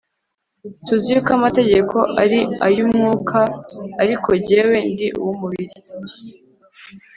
Tuzi yuko amategeko ari ay umwuka ariko jyewe ndi uwu mubiri